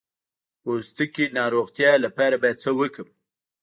د پوستکي د روغتیا لپاره باید څه وکړم؟